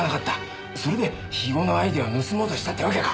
それで肥後のアイデアを盗もうとしたってわけか。